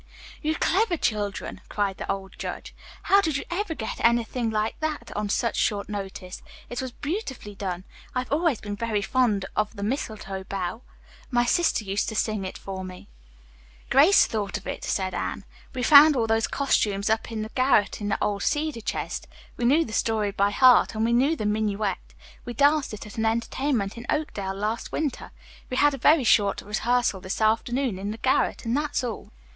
"You clever children," cried the old judge. "How did you ever get up anything like that on such short notice? It was beautifully done. I have always been very fond of 'The Mistletoe Bough.' My sister used to sing it for me." "Grace thought of it," said Anne. "We found all those costumes up in the garret in the old cedar chest. We knew the story by heart, and we knew the minuet. We danced it at an entertainment in Oakdale last winter. We had a very short rehearsal this afternoon in the garret and that's all."